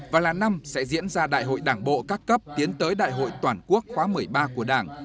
và là năm sẽ diễn ra đại hội đảng bộ các cấp tiến tới đại hội toàn quốc khóa một mươi ba của đảng